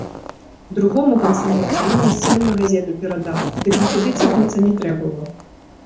Другому камсамольцу ён насценную газету перадаў, дык нікуды цягнуцца не трэ было.